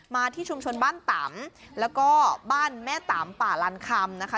ที่ชุมชนบ้านตำแล้วก็บ้านแม่ตำป่าลันคำนะคะ